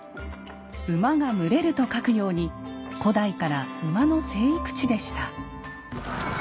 「馬が群れる」と書くように古代から馬の生育地でした。